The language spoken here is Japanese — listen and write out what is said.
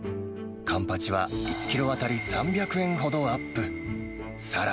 カンパチは１キロ当たり３００円ほどアップ。